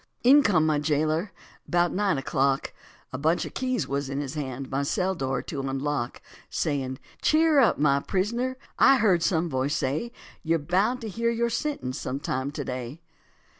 In came my jailer about nine o'clock, A bunch of keys was in his hand, my cell door to unlock, Saying, "Cheer up, my prisoner, I heard some voice say You're bound to hear your sentence some time to day."